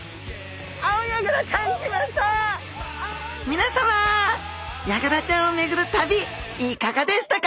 皆さまヤガラちゃんを巡る旅いかがでしたか？